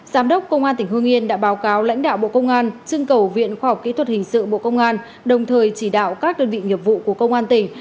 giám đốc công an tỉnh hương yên đã báo cáo lãnh đạo bộ công an trưng cầu viện khoa học kỹ thuật hình sự bộ công an đồng thời chỉ đạo các đơn vị nghiệp vụ của công an tỉnh